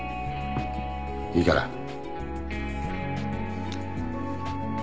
いいから。